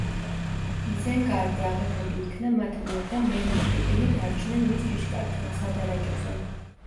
იზენგარდი აღებული იქნა მათ მიერ და მერი და პიპინი დარჩნენ მის ჭიშკართან, სადარაჯოზე.